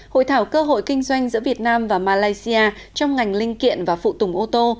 hội thảo cơ hội kinh doanh giữa việt nam và malaysia trong ngành linh kiện và phụ tùng ô tô